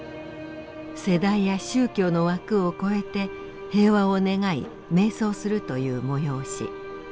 世代や宗教の枠を超えて平和を願い瞑想するという催し。